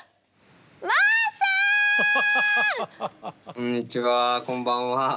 こんにちはこんばんは。